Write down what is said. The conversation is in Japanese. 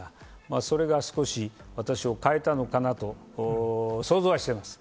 それが少し私を変えたのかなと、想像はしています。